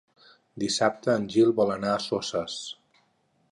Dissabte en Gil vol anar a Soses.